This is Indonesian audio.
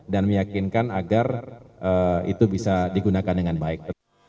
dan meyakinkan agar itu bisa digunakan dengan baik